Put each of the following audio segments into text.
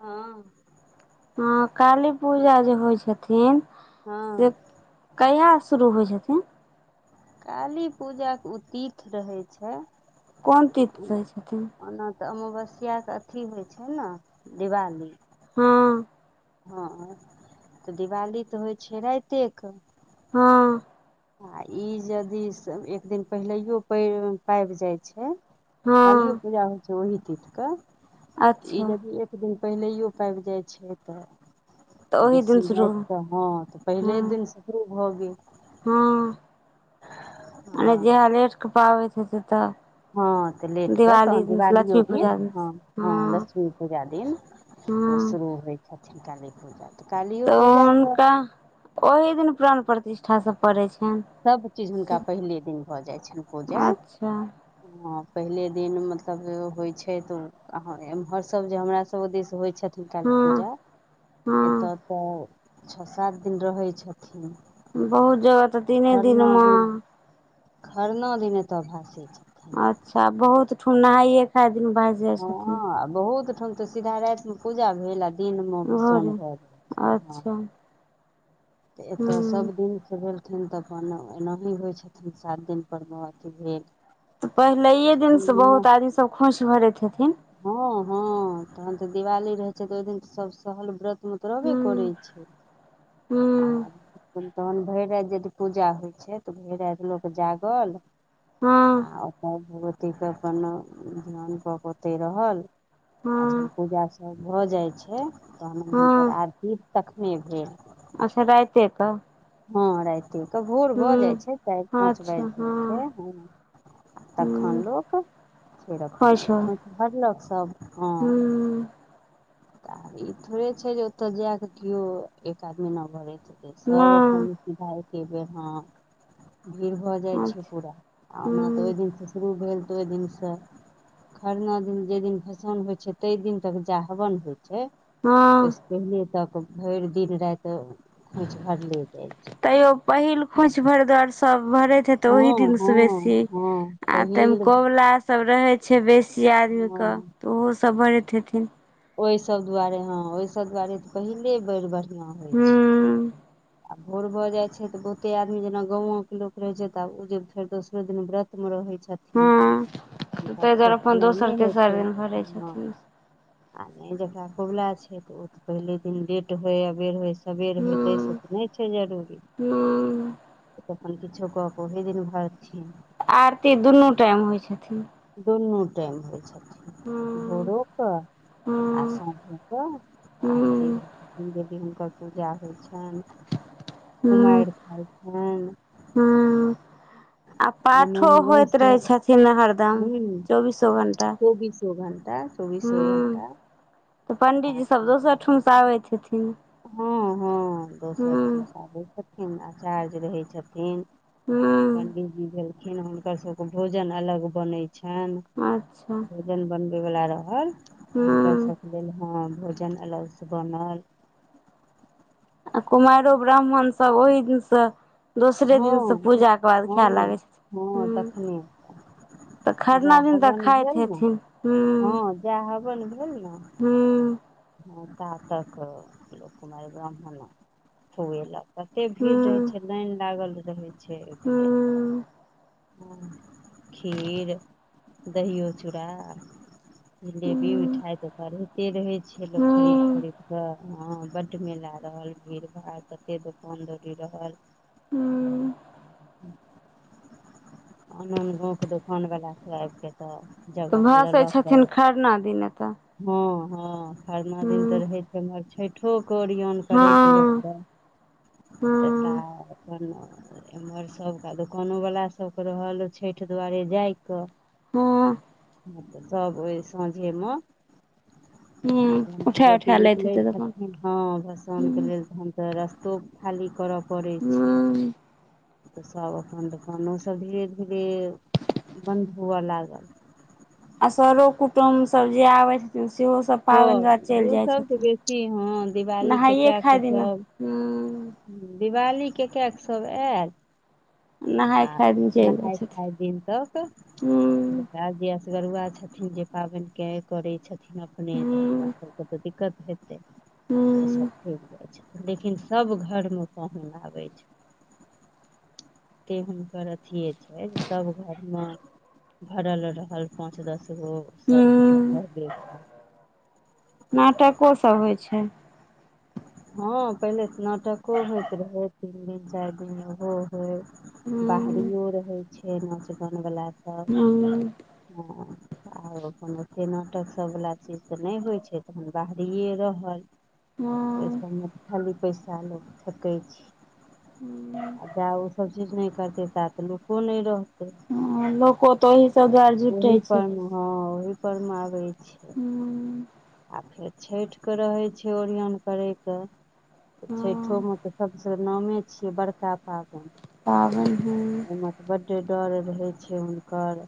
हां हा काली पूजा जे होइ छथिन हँ कहिया शुरू होइ छथिन। काली पूजाके उ तिथ रहे छै। कोन तीर्थ से होइ छथिन तऽ अमावस्या के अथी होइ छै, ने दिवाली। हं। हं, तऽ दिवाली तऽ होइ छे राइते के। हं। आ ई यदि एक दिन पहिलहयो प- पाबि जाइत छै। कालियो हँ पूजा होइ छै ओहि तीथके तऽ ई अच्छा यदि किछु दिन पहिलैओ पाबि जाइ छै तऽ तऽ ओहि दिन बेसी शुरू रति तऽ हँ तऽ पहिले हँ दिन से शूरू भऽ गेल हँ अ हँ जहा लेट के पाबै छैे से तऽ हँ तऽ लेट कऽ दिवाली तहन दिन से दिवालियों लक्ष्मी दिन पूजा हँ- से हँ लक्ष्मी पूजा दिन ओ हँ शुरू होइ छथिन काली पूजा तऽ कालियो तऽ पूजा हुनका ओहि दिन प्राण प्रतिष्ठा सभ पड़ैत छनि सभचीज हुनका पहिले दिन भऽ जाइ छनि पूजा अच्छा ह पहिले दिन मतलब होइ छै तऽ एमहर सब जे हमरा सभदस होइ छथि। छथि काली हँ पूजा हँ एतऽ तऽ छओ सात दिन रहै छथिन। बहुत जगह तऽ तीने खरना दिन दिनमे खरना दिन एतय भसै छथिन। सैह बहुत ठुना नहाइए खाइ दिन भासि जाइ छथिन। हँ बहुत ठाम तऽ सीधा रातिमे पूजा भेल आ दिनमे भोरे भसान भऽ जाइ छै हँ अच्छा हूँ तऽ एतय सभ दिन से भेल छथिन तऽ अपन एनाही होइ छथिन सात दिन परमे अथी भेल तऽ पहिलैे ओहि दिनसँ दिना बहुत आदमी सब खौंच भरैत हेथिन। हँ - हँ तहन तऽ दिवाली रहै छै तऽ ओहि दिन सभ सहल व्रत तू तऽ रहबे करै हूँ छै। आ हूँ तहन भरि राति यदि पूजा होइ छै तऽ भरि राति लोक जागल हँ आ ओ भगवतीके अपन ध्यान कके ओते रहल। आ जखन हँ पूजासभ भऽ जाइ छै, तहन हुनकर हँ आरती तखने भेल। अच्छा रायते क हँ, रााइते क, भोर भऽ जाइ छै, चारि -पाँच अच्छा बाजि जाइ छै, हँ हँ। तखन हूँ लोक फेर अपन खोंइछ भर खोँछ भरलक, सभ हँ। हूँ तऽ ई थोड़े छै जे ओतय जा कऽ केओ एक आध महिना भरैत हतै, सभ अपन हँ भायके बेर ह, भीड़ भए जाइ छै अच्छा पूरा, आ ओना तऽ हूँ ओहि दिनसँ शुरू भेल तऽ ओहि दिनसँ, खरना दिन जेहि दिन भसाउन होइ छै, ताहि दिन तक जा ह हवन होइ छै, हँ ओहिसँ पहिने तक भरि दिन राति खोछ भरले जाइ छै। तैयो पहिल खोइछ भरिदुआरे सब भरे तऽ ओहि हँ दिनसँ हँ बेसी, हँ आ तहन पहिल कोबला सभ रहै छै बेसी आदमीके हँ तऽ, ओहो सब भरैत हेथिन। ओहिसभ दुआरे हँ, ओहिसभ दुआरे तऽ पहिले बेड़ बढ़िआँ होइ छै। हूँ आ भोर भऽ जाइत छै तऽ, बहुते आदमी जेना गामोकके लोक रहैत छै त, आब ओ जे फेर दोसरे दिन व्रतमे रहैत छथिन। हँ हुनका ताहि दुआरे फेर अपन दुबारा दोसर नहि तेसर होेतैइन, दिन भरै हँ। छथिन [inaudible] आ नहि जकरा कुबुला छै तऽ, ओ तऽ पहिले दिन लेट होय अबेर, होय सबेर होय, हूँ ताहिसँ नहि छै जरूरी, हूँ तखन किछो कऽ कऽ ओहहि दिन भरथिन। आरती दुनू टाइम होइ छथिन। दुनू टाइम होइ छथिन, हूँ भोरोके आ हूँ समझ के, आरती हूँ होई छैन, यदि हुनकर पूजा होइ छनि, कुमारि खाइ छैन। हुँ। आ पाठो आनन होइत गाँवसँ रहे छथिन हरद दम, हूँ चौबीसो घंटा चौबीसो घंटा चौबीसो हुँ। घंटा तऽ पंडीजी सब पाठी दोसर रहै। ठाम से आबैत हेथिन हँ- हँ, दोसर ठाम हूँ से आबै छथिन, आचार्य रहै छथिन। हूँ पंडीजी भेलखिन, हुनकर सभके भोजन अलग बनैत छनि। आच्छा। भोजन बनबै बला रहल, हुनकर हूँ सबके लेल हँ भोजन अलगसँ बनल। आ कुमैरो, ब्राह्मणसब, ओहि दिनसँ दोसरे हँ दिन से पूजा के बाद, खै हँ लागै छथिन, हँ हुँ। तखने तऽ जा खरना दिन तऽ हवन खाइत भेल ने हेथिन। हँ जा हुँ-हुँ। ह कात कअ क लोक कुमैर ब्राह्मण खुएलक। कते भीड़ रहै हूँ छै, लाइन लागल रहै छै, ओहिके हूँ लेल। हँ, खीर, दहियो -चूड़ा। जिलेबी, हूँ मिठााय त ओ रहिते रहै छैय लोक खरीद- हूँ खरीद कऽ। ह बड् मेला रहल, भीड़ -भाड़। तते दोकान -दौरी रहल। हुँ, आन -आन गांँव के दुोकान बला सब आबि के तऽ तऽ जगह भसै लेलक। हँ, छथिन खरना दिन एतऽ हँ, खरना दिन ते हूँ रहे छै उमहर छैठो क ओरियान। हँ करैक लोकके, ता हँ अपन उम्हर सबटा दोकानो वला सबके रहल, छैठ दुआरे जाइक। हँ। तऽ सब ओइ सांझे मे। आ हूँ जखन उठा भगवती उठा लैत निकलै हेतै तखन छथिन हँ भसानके हूँ लेल तखन तऽ रस्तो खाली करऽ पड़ै छै। हूँ तऽ सब अपन दोकानो सब धीरे धीरे बन्द हुअ लागल। आ सरो कुटुम सब जे आबो छै। सेहो सब पाबैन राति चलि ओ जाइ सबसँ छथिन, बेसी हँ दिवालीके नहाइए खाइ दिना हुं। दिवाली के परात सब ऐल नहाय आ खाय दिन चलि जाइ नहाय छथिन खाय दिन तक हूँ आ जे असगरुआ छथिन जे पाबैन करै छथिन अपने त हुनका हूँ सबके तऽ दिक्कत हेतैन तऽ ओ सब हूँ चलि जाइ छथि। लेकिन सब घरमे पाहुन आबै छै। एते हुनकर अथिये छैन जे सब घर मे भरल रहल पाँच दस गो सर कुटुम् हूँ रहबे कैल। नाटको सब होइ छैन। हँ पहिले तऽ नाटको होइत रहै तीन दिन चारि दिन ओहो होय। हूँ बाहरियो रहै छै नाच गानबला सब, हूँ हँ। आर अपन ओतेक नाटक सब बला चीज तऽ नहि होइ छै तखन बाहरिए रहल। ओय हूँ सबमे खाली पैसा लोक फेकै छै। आ जा ओ सब चीज नहि करते ता तऽ लोको नहि रहतै। हंँ लोको त ओही सब दुआरे ओहि जुटै छै पर मे हँ ओहि पर मे आबै छै। हुं। आ फेर छैठ के रहै छै ओरियान करैके तऽ हँ छैठोमे तऽ सबसँ नामे छियै बड़का पाबैन। पाबैन हं। तऽ बडे डर रहै छै हुनकर।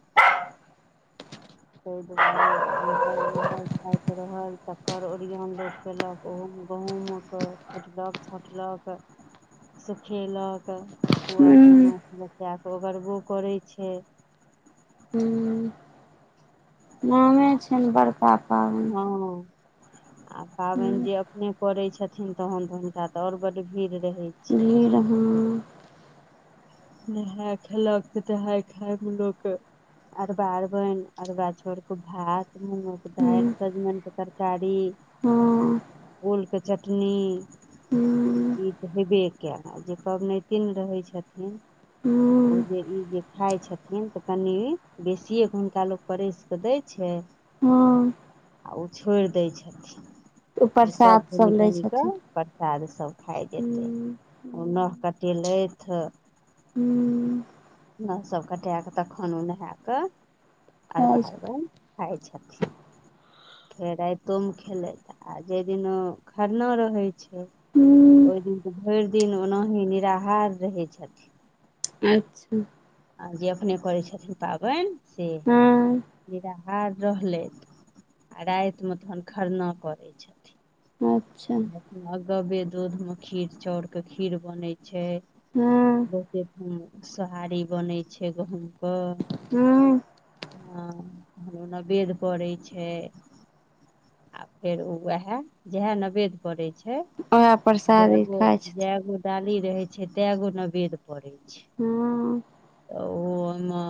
[inaudible] तै दुआरे उमहर नहाय खायके रहल तकर ओरियान लोक केलक। ओहोम गहुम कुटलक छाँटलक। सुखेलक कौआ हूँ मेनाक बचा कऽ ओगरबो करै छै। हूँ नामे छैन बड़का पाबनि के हँ। आ पाबनि हूँ जे अपने करैत छथिन तखन तऽ हुनका तऽ और बड भीड़ रहैत छै। भीड़ हं। नहाय खेलक तऽ नहाय खाय मे लोक। अरबा अरबों, रबा चाउर कऽ भात मूँगके हँ दालि सजमनिके तरकारी। हँ। ओलके चटनी। हँ ई तऽ हेबे कयल आ जे पबनैतिन रहै छथिन ओ हँ जे ई जे खाइत छथिन तऽ कनि बेसिएके हुनका लोक परसि कऽ दै छै हँ। आ ओ छोड़ि दै छथिन। ओ जे सभ प्रसाद सब लै कनि-कनि कऽ छथिन परसाद सभ खाइ जेतै। हूँ ओ नह कटेलथि हूँ नहसभ कटाए कऽ तखन ओ नहा कऽ खाइ अरबा अरबैन खाइ छथिन। फेर राइतोमे खेलथि आ जय दिन खरना रहै छै हूँ ओइ दिन ओ भइर दिन ओनाही निराहार रहै छथिन। अच्छा। आ जे अपने करै छथिन पाबैन से हँ निराहार रहलैथ। आ राइत मे तहन खरना परै छथिन। अच्छा अगऽबे दूध में खीर चाउर क खीर बनै छै हूं- बहुते ठाम सोहारी बनै छै गहुम क। हूं- हँ- [unintelligible] नवेद पड़ै छै। आ फेर ओ उएह जहे नवेद पडै छै। उएह प्रसादी खाइ छथिन जेगो-जेगो- डाली रहै छै तै गो नवेद पड़ै छै। हँ ओ ओयमे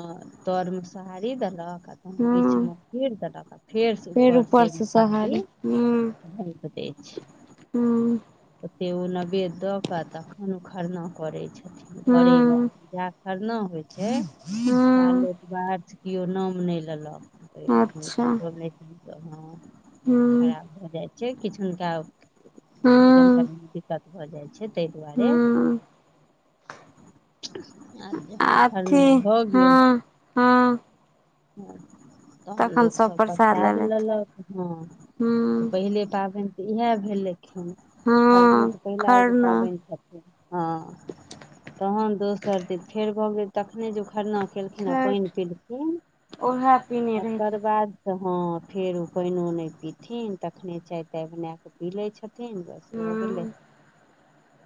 तरमे सोहारी देलक आ त बीच हँ मे खीर देलक आ फेर स ऊपर से सारी झैंप दै छै हुं- ओते ओ नैवेद्य दऽ कऽ तखन ओ खरना करै छै। घरेम, हूँ जा खरना होइ छै, ता हूँ लोक पाठ केओ नाम नइ लेलक [unintelligible] अच्छा पवनैतिन सब हं हूँ खराप भऽ जाइ छै किछ हुनका भोजन हूँ करयमे दिक्कत भऽ जाइत छै तय दुआरे। हूँ [unintelligible] आ जखन खरना अथी भऽ गेल हँ हँ हँ- तहन तखन लोक सब प्रसाद लए परसाद लेत लेलक हँ हूँ पहिले पाबैन तऽ इएह भेलै ख -खरना हँ तऽ पहिला एगो खरना पाबैन [unintelligible] हँ तहन दोसर दिन फेर भऽ गेल, तखने जे ओ खरना खेलखिन आ पैन छठि पिलखिन ओहे पीने रहै ओकर छथिन बाद तऽ हँ फेर ओ पैनो नइ पीथिन तखने चाय ताय बनाकऽ पी लै छथिन तीन [unintelligible] भऽ गेलै हूँ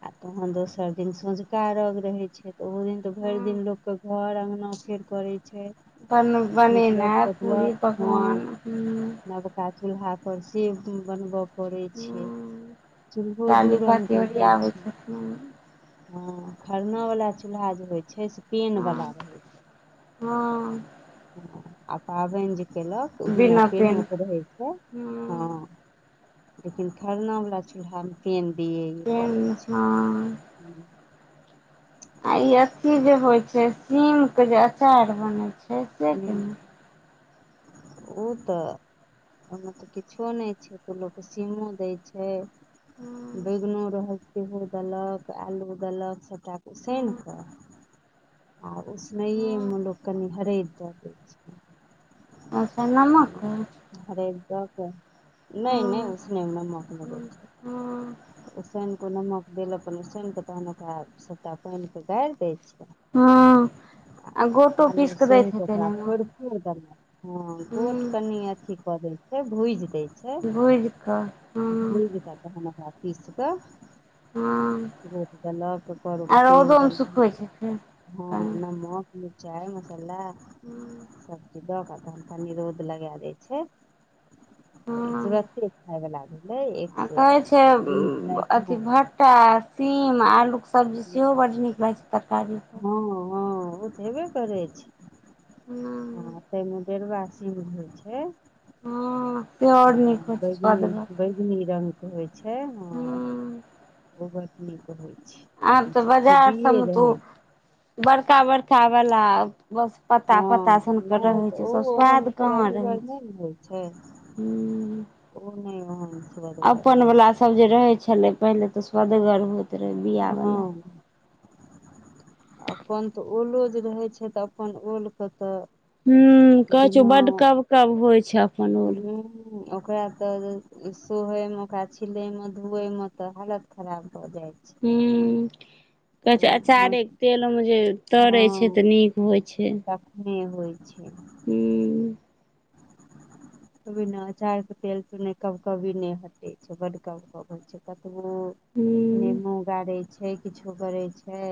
आ तहन दोसर दिन सौंझका अरघ रहय छै। ओहो दिन तऽ भइर हूँ दिन लोकके घर अङ्गना फेर करै छै। बन निपलक बनेनाइ पूरी पोतलक पकवान हूँ हँ-नव का चूल्हा पर से ब-बनब पड़ै छै हूँ चूल्हो दू डालिका रंगके तिवरी होइ आबै छै। छथिन हँ खरना बला चूल्हा जे होइ छै से पेन बला हँ हँ [unintelligible] आ पाबैन जे केलक उ बिना पेनो के रहै छै, हूँ हँ- लेकिन खरनावला चूल्हामे पेन दियैये पेन पड़ै हँ छै। आ इ अथी जे होय छै सीम के जे अचार बनय छै से हुं केना -ओ तऽ- ओय मे तऽ किछो नइ छै तऽ लोक सीमो दै छै हूँ बैगनो रहल सेहो देलक आलू देलक सभटाके हूँ उसैन कऽ आ उसनइएमे अच्छा लोक कनि हरदि दऽ दै छै। अच्छा नमको? हरैद दऽ कऽ नहि नहि हँ उसनयमे नमक नहि दैय छै। उसैन कऽ नमक तेल अपन उसैन कऽ तहन ओकरा सभटा पानि के गारि दै छैय। हॅं आ गोटो आलू पीस कऽ सोहि दैत हेतै अइ ओकरा म? फोड़ि हँ गोट कनि अथी कऽ दै छै भूजि दै छै। भुजि कऽ छै हँ भूजि के तहन ओकरा पीस के हँ गोट देलक करूक आ तेल रौदोमे सुखबै देलक। छै फेर हँ [inaudible] नमक मीरचाय मसल्ला सबकिछ, दऽ कऽ तहन कनि रौद लगेए दै छै। तऽ ई हँ तुरते खायवला भेलै एक आ कहै छै स अथी [unintelligible] भट्टा सीम आलूके सब्जी सेहो बड्ड नीक लगै छै तरकारीे। हँ हँ ओ हेबे करै छै आ तहिमे डेढ़बा सीम होइ छै, हँ से आओर नीक होइ छै स्वदगर। बिगनी रंग के होइ छै हँ हूँ ओ बड नीक होइ छै। आब ओहिमे तऽ छुच्छे बाजार सब बीए मे तऽ ओ रहै छै। बड़का बड़का बला आओत बस पत्ता हँ पत्ता सनके नहि रहै तऽ छै ओ से ओहन स्वाद कहाँ रहै सुआदगर नहि ने होइ छै। हूं। ओ नहि ओहन सुअदगर अपन होइ छै वला सब जे रहे छलै पहिले तऽ स्वदगर हो हँ। अपन त ओलो जे रहै छै त अपन ओल के तऽ हूॅं कहै छै ओ बिना बड्ड कब कब होइ छै। अपन ओल हूँ हुओकरा तऽ सोहयमे ओकरा छिलयमे धोएमे तऽ हालत खराब भऽ जाइ छै। हूॅं कहै छै ओ अचारे के तेलमे जे तरै छै तऽ नीक होइ छै। नहि होइ छै। हूॅं बिना अचार के तेल से नहि कब कबी नहि हटै छै बड कब कब होई छै कतबो ह नेमो गाड़ै छै किछो करै छै।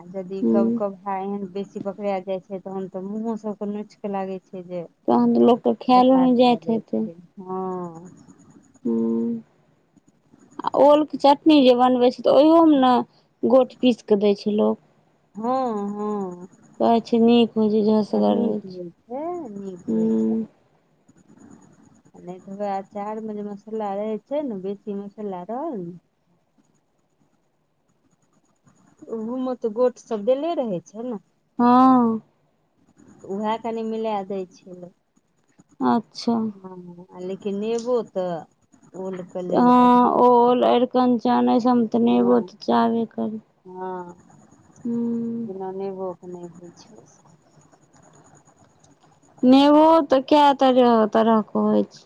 आ जदि हूँ कब कब हा एहन बेसी पकड़ेए जाइ छै तहन तऽ मुँहो सभके नोचऽ लागै छै जे तहन तऽ लोक के खेएलो बेकार नै कऽ जाइत दै हेतै। छै हँ। हूॅं आ ओल के चटनी जे बनबै छै तऽ ओहियहो मे ने गोट पीसकेऽ दै छै लोक। हॅं हॅं। कहै छै नीक होइ छै झसगर होइ छै नीक होइ छै हूॅं। [inaudible] नहि तऽ वेएह अचारमे जे मसल्ला रहै छै ने बेसी मसल्ला रहल ने। ओहो में त गोट सब देले रहै छै ने। हँ तऽ उएह कनि मिलाए दैय छैय लोक। अच्छा हँ लेकिन नेबो तऽ ओल तऽ हँ ओल एरकंचन अई सभ में तऽ नेबो हँ च-च चाहबे करी। हँ हूँ बिना नेबो के नहि होइ छैय इ सभ। नेबो ओ तऽ कैए तरह तरहके होइ छै।